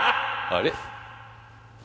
あれ？